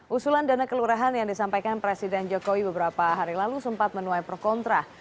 usulan dana kelurahan yang disampaikan presiden jokowi beberapa hari lalu sempat menuai pro kontra